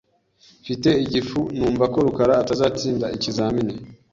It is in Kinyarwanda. Mfite igifu numva ko rukara atazatsinda ikizamini .